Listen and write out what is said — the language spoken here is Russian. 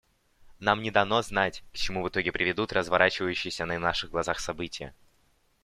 Нам не дано знать, к чему в итоге приведут разворачивающиеся на наших глазах события.